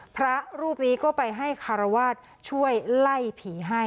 พระรูปนี้ก็ไปให้คารวาสช่วยไล่ผีให้